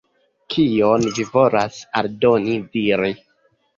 Kion vi volas aldone diri?